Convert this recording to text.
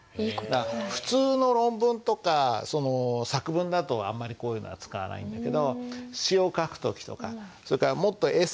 普通の論文とか作文だとあんまりこういうのは使わないんだけど詩を書く時とかそれからもっとエッセーを書く時とかね。